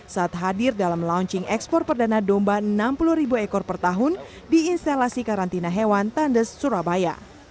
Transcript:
saat hadir dalam launching ekspor perdana domba enam puluh ribu ekor per tahun di instalasi karantina hewan tandes surabaya